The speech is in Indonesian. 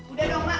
udah dong ma